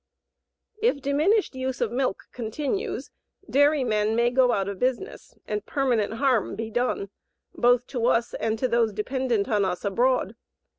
If diminished use of milk continues, dairymen may go out of business and permanent harm be done, both to us and to those dependent on us abroad.